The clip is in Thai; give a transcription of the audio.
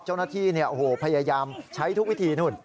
เจ้าหน้าที่พยายามใช้ทุกวิธีนู่น